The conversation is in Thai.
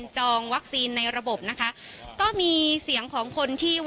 จองวัคซีนในระบบนะคะก็มีเสียงของคนที่